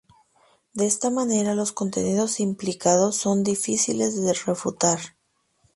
De esta manera, los contenidos implicados son difíciles de refutar.